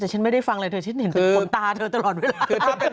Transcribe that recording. แต่ฉันไม่ได้ฟังหลายทีฉันเห็นตัวตัวคูมตาเธอตลอดเวลา